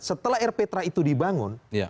setelah air petra itu dibangun